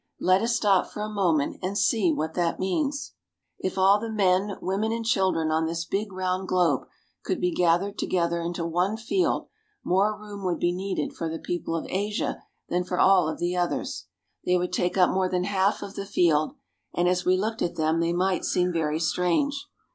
Let us stop for a moment and see what that means. If all the men, women, and children on this big round globe could be gathered together into one field, more room would be needed for the people of Asia than for all of the others. They would take up more than half of the field, and as we looked at them they might seem very strange.